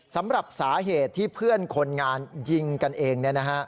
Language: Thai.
สำหรับสาเหตุที่เพื่อนคนงานยิงกันเอง